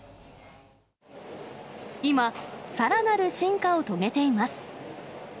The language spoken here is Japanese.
今、さらなる進化を遂げています。